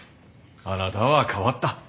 あなたは変わった。